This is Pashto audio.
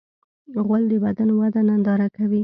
غول د بدن وده ننداره کوي.